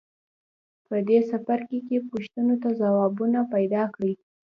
په دې څپرکي کې پوښتنو ته ځوابونه پیداکړئ.